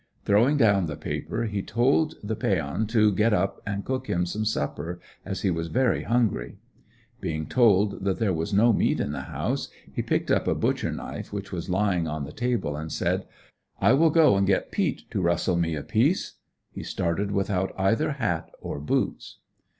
Throwing down the paper he told the Peon to get up and cook him some supper, as he was very hungry. Being told that there was no meat in the house he picked up a butcher knife which was lying on the table, and said: "I will go and get Peet to rustle me a piece." He started without either hat or boots.